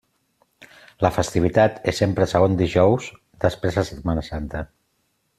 La festivitat és sempre el segon dijous després de Setmana Santa.